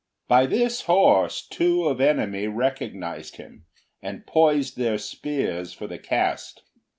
By this horse two of enemy recognised him, and poised their spears for the cast.